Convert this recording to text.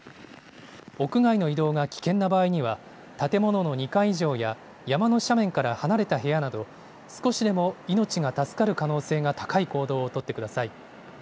屋外の移動が危険な場合には、建物の２階以上や山の斜面から離れた部屋など、少しでも命が助かる可能性が高い行動を取ってください。